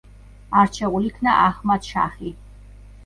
არჩეულ იქნა აჰმად–შაჰი.